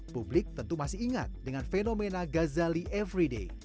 publik tentu masih ingat dengan fenomena ghazali everyday